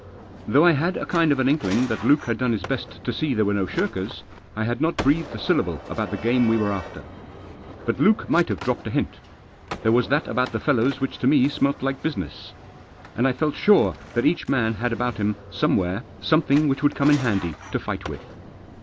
Though I had a kind of an inkling that Luke had done his best to see there were no shirkers, I had not breathed a syllable about the game we were after. But Luke might have dropped a hint. There was that about the fellows which to me smelt like business. And I felt sure that each man had about him somewhere something which would come in handy to fight with.